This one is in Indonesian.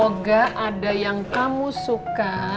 yoga ada yang kamu suka